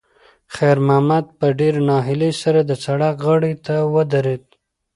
خیر محمد په ډېرې ناهیلۍ سره د سړک غاړې ته ودرېد.